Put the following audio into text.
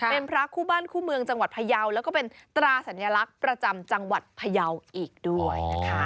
เป็นพระคู่บ้านคู่เมืองจังหวัดพยาวแล้วก็เป็นตราสัญลักษณ์ประจำจังหวัดพยาวอีกด้วยนะคะ